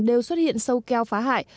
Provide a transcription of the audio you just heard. đều xuất hiện sâu keo phá hại